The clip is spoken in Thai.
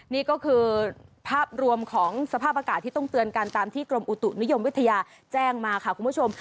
นี่ก็คือภาพรวมของสภาพอากาศที่ต้องเตือนกันตามที่กรมอุตุนิยมวิทยาแจ้งมาค่ะคุณผู้ชม